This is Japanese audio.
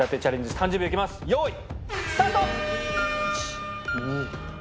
３０秒いきます用意。